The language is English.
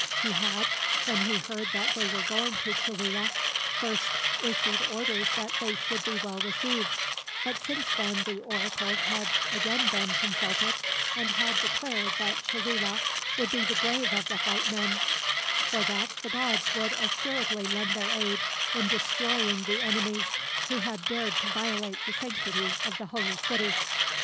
He had, when he heard that they were going to Cholula, first issued orders that they should be well received; but since then the oracles had again been consulted, and had declared that Cholula would be the grave of the white men, for that the gods would assuredly lend their aid in destroying the enemies who had dared to violate the sanctity of the holy city.